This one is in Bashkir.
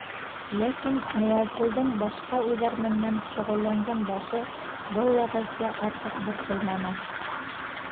Ләкин Ныязғолдоң башҡа уйҙар менән шөғөлләнгән башы был вәғәзгә артыҡ борсолманы.